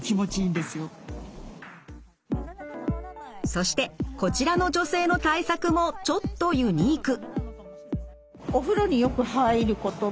そしてこちらの女性の対策もちょっとユニーク。